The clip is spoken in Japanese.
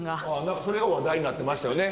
何かそれが話題になってましたよね。